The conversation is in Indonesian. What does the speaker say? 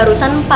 aku bisa mencoba